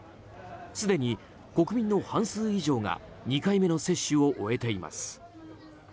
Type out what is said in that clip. すでに国民の半数以上が２回目の接種を終えています。